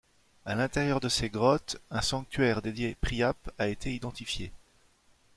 À l'intérieur de ces grottes, un sanctuaire dédié Priape a été identifié.